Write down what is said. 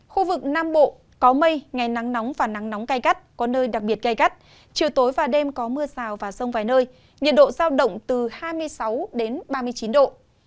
khu vực nam bộ có mây ngày nắng nóng và nắng nóng cay gắt có nơi đặc biệt gai gắt chiều tối và đêm có mưa rào và rông vài nơi nhiệt độ giao động từ hai mươi sáu ba mươi chín độ